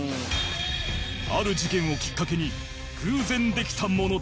ある事件をきっかけに偶然できたものだった